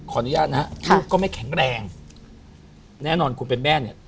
อนุญาตนะฮะลูกก็ไม่แข็งแรงแน่นอนคุณเป็นแม่เนี่ย